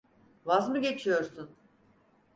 Vaz mı geçiyorsun?